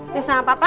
tuh sama papa